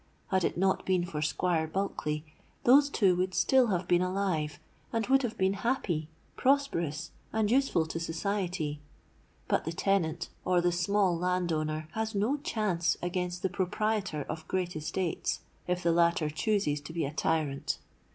Had it not been for Squire Bulkeley, those two would still have been alive, and would have been happy, prosperous, and useful to society. But the tenant or the small landowner has no chance against the proprietor of great estates, if the latter chooses to be a tyrant.